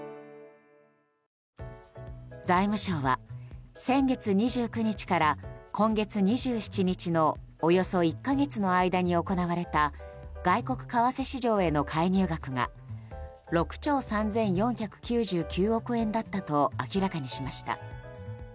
財務省は先月２９日から今月２７日のおよそ１か月の間に行われた外国為替市場への介入額が６兆３４９９億円だったと明らかにしました。